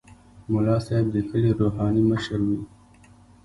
ملا صاحب د کلي روحاني مشر وي.